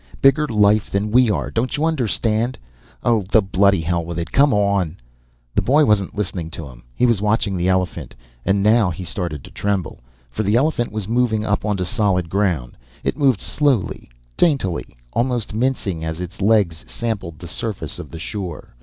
Bigger life than we are. Don't you understand? Oh, the bloody hell with it! Come on." The boy wasn't listening to him. He was watching the elephant. And now he started to tremble. For the elephant was moving up onto solid ground. It moved slowly, daintily, almost mincing as its legs sampled the surface of the shore.